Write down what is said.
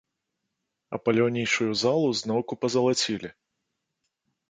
А паляўнічую залу зноўку пазалацілі.